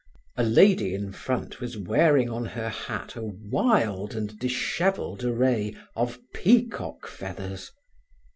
A lady in front was wearing on her hat a wild and dishevelled array of peacock feathers.